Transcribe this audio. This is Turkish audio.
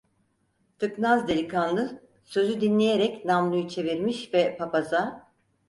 Tıknaz delikanlı sözü dinleyerek namluyu çevirmiş ve papaza: